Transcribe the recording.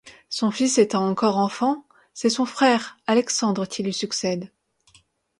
Son fils étant encore enfant, c'est son frère, Alexandre, qui lui succède.